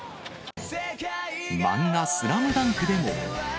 漫画、スラムダンクでも。